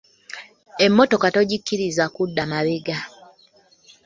Emmotoka togikkiriza kudda mabega.